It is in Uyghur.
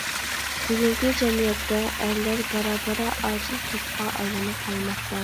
بۈگۈنكى جەمئىيەتتە ئەرلەر بارا-بارا ئاجىز توپقا ئايلىنىپ قالماقتا.